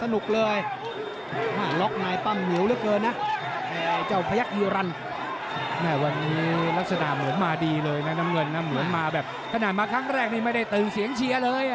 น้ำเงินน่ะหมุนมาแบบกระหน่ามาครั้งแรกนี้ไม่ได้ตึงเสียงเชียเลย